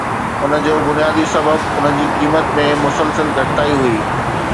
ان جو بنيادي سبب ان جي قيمت ۾ مسلسل گهٽتائي هئي